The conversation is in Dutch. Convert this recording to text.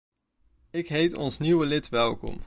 Ik heet ons nieuwe lid welkom...